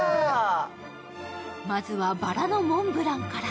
まずはバラのモンブランから。